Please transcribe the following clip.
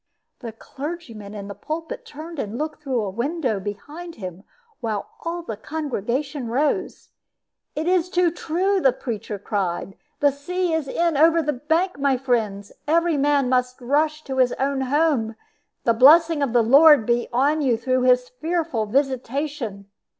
The clergyman in the pulpit turned and looked through a window behind him, while all the congregation rose. "It is too true," the preacher cried; "the sea is in over the bank, my friends. Every man must rush to his own home. The blessing of the Lord be on you through His fearful visitation!"